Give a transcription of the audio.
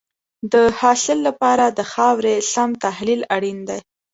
د حاصل لپاره د خاورې سم تحلیل اړین دی.